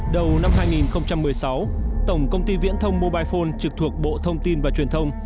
đầu năm hai nghìn một mươi sáu tổng công ty viễn thông mobile phone trực thuộc bộ thông tin và truyền thông